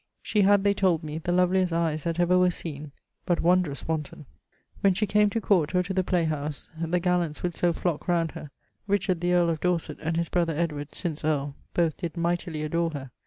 She had (they told me) the loveliest eies that ever were seen, but wondrous wanton. When she came to court or to the playhouse, the gallants would so flock round her. Richard, the earle of Dorset, and his brother Edward, since earle, both did mightily adore her.